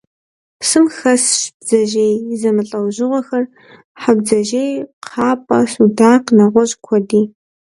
Псым хэсщ бдзэжьей зэмылӀэужьыгъуэхэр: хьэбдзэжъей, кхъапӀэ, судакъ, нэгъуэщӀ куэди.